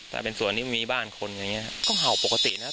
แต่เป็นสวนนี้มีบ้านคนอย่างเงี้ยก็เห่าปกตินะครับ